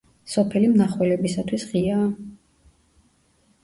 სოფელი მნახველებისათვის ღიაა.